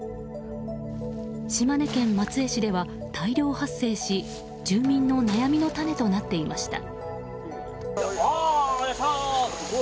島根県松江市では大量発生し住民の悩みの種となっていました。